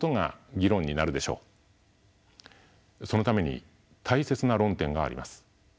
そのために大切な論点があります。